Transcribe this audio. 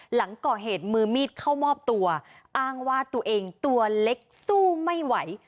หลังก่อเหตุมือมีดเข้ามอบตัวอ้างว่าตัวเองตัวเล็กสู้ไม่ไหว